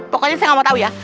pokoknya saya gak mau tau ya